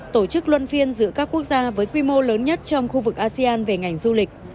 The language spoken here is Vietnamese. tổ chức luân phiên giữa các quốc gia với quy mô lớn nhất trong khu vực asean về ngành du lịch